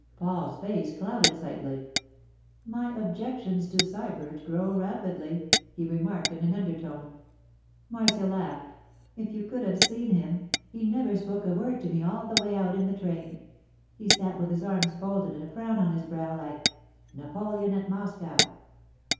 Paul's face clouded slightly. 'My objections to Sybert grow rapidly,' he remarked in an undertone. Marcia laughed. 'If you could have seen him! He never spoke a word to me all the way out in the train. He sat with his arms folded and a frown on his brow, like—Napoleon at Moscow.